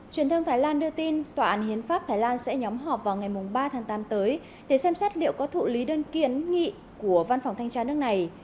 truyền thông thái lan đưa tin tòa án hiến pháp thái lan sẽ nhóm họp vào ngày ba tháng tám tới để xem xét liệu có thụ lý đơn kiến nghị của văn phòng thanh tra nước này